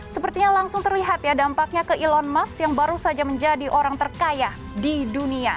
sepertinya langsung terlihat ya dampaknya ke elon musk yang baru saja menjadi orang terkaya di dunia